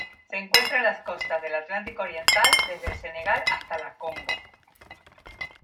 Se encuentra en las costas del Atlántico oriental: desde el Senegal hasta la Congo.